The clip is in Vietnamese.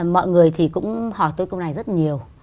mọi người thì cũng hỏi tới câu này rất nhiều